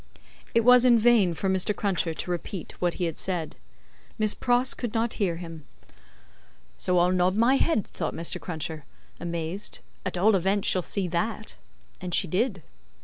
It was in vain for Mr. Cruncher to repeat what he said; Miss Pross could not hear him. "So I'll nod my head," thought Mr. Cruncher, amazed, "at all events she'll see that." And she did.